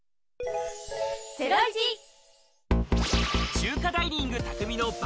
中華ダイニングたくみの爆